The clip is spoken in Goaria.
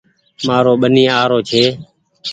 مآرو ٻني آ رو ڇي